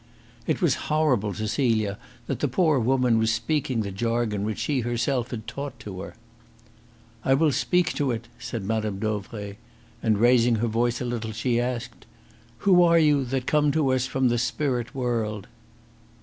It was horrible to Celia that the poor woman was speaking the jargon which she herself had taught to her. "I will speak to it," said Mme. Dauvray, and raising her voice a little, she asked: "Who are you that come to us from the spirit world?"